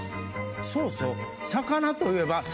そうそう魚といえば。